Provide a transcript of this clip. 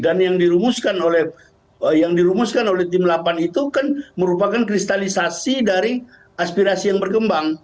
dan yang dirumuskan oleh tim lapan itu kan merupakan kristalisasi dari aspirasi yang berkembang